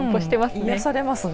癒やされますね。